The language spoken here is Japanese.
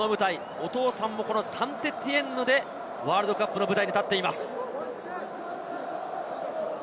お父さんもこのサンテティエンヌでワールドカップの舞台に立っています。